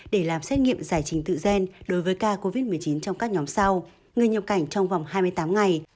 để làm xét nghiệm giải trình tự gen đối với ca covid một mươi chín trong các nhóm sau người nhập cảnh trong vòng hai mươi tám ngày